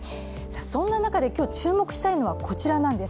そんな中で今日注目したいのがこちらなんです。